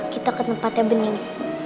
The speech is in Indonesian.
kita ke tempatnya bening